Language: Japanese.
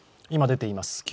今出ています